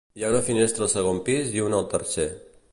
Hi ha una finestra al segon pis i una al tercer.